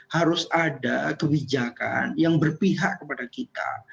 harus ada kebijakan yang berpihak kepada kita